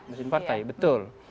mesin partai betul